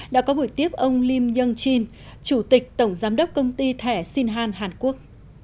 đã có buổi tiếp ông lim yong chin chủ tịch tổng giám đốc công ty thẻ sinh han hàn quốc